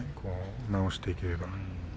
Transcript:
直していけば。